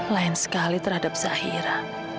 lain sekali terhadap zahira